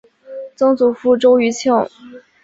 曾祖父周余庆。